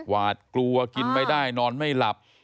หวาดกลัวกินไม่ได้นอนไม่หลับ